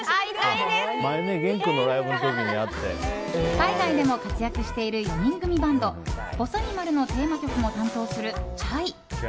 海外でも活躍している４人組バンド「ぼさにまる」のテーマ曲も担当するＣＨＡＩ。